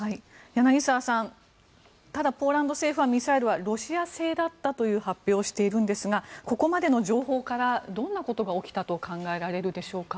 柳澤さんただポーランド政府はミサイルはロシア製だったという発表をしているんですがここまでの情報からどんなことが起きたと考えられるでしょうか。